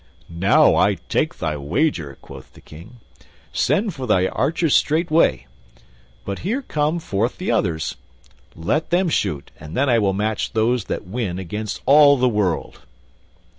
"Now, I take thy wager," quoth the King. "Send for thy archers straightway. But here come forth the others; let them shoot, and then I will match those that win against all the world."